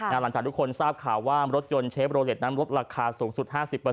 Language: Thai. หลังจากทุกคนทราบข่าวว่ารถยนต์เชฟโรเล็ตนั้นลดราคาสูงสุด๕๐